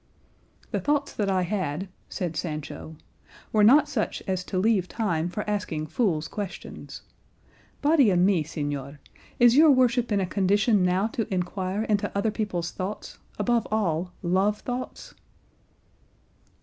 "The thoughts that I had," said Sancho, "were not such as to leave time for asking fool's questions. Body o' me, señor! is your worship in a condition now to inquire into other people's thoughts, above all love thoughts?"